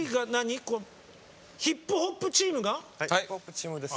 ヒップホップチームです。